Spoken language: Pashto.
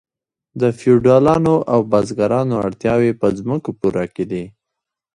د فیوډالانو او بزګرانو اړتیاوې په ځمکو پوره کیدې.